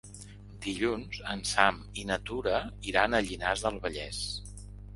Dilluns en Sam i na Tura iran a Llinars del Vallès.